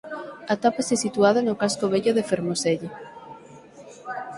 Atópase situado no casco vello de Fermoselle.